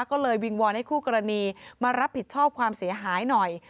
ก็เลยวิงวอนให้คู่กรณีมารับผิดชอบความเสียหายหน่อย